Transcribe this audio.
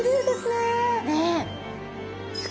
ねえ。